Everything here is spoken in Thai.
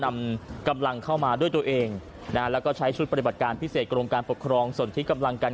นำกำลังเข้ามาด้วยตัวเองนะฮะแล้วก็ใช้ชุดปฏิบัติการพิเศษกรมการปกครองส่วนที่กำลังกัน